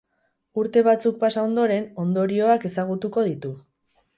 Urte batzuk pasa ondoren, ondorioak ezagutuko ditu.